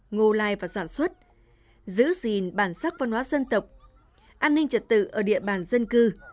ngô lai và sản xuất giữ gìn bản sắc văn hóa dân tộc an ninh trật tự ở địa bàn dân cư